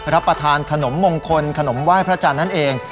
รับประทานขนมมงคลขนมไหว้พระจันทร์นั่นเอง